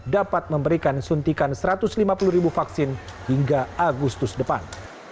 dapat memberikan suntikan satu ratus lima puluh ribu vaksin hingga agustus depan